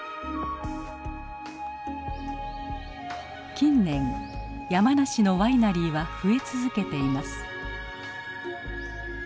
近年山梨のワイナリーは増え続けています。